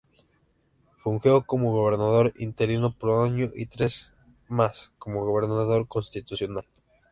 Fungió como gobernador interino por un año y tres más como gobernador constitucional.